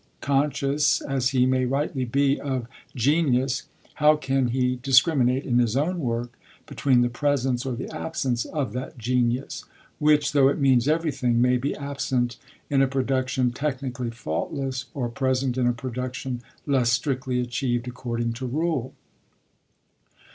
Conscious, as he may rightly be, of genius, how can he discriminate, in his own work, between the presence or the absence of that genius, which, though it means everything, may be absent in a production technically faultless, or present in a production less strictly achieved according to rule?